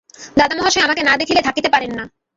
দাদামহাশয় আমাকে না দেখিলে থাকিতে পারেন না।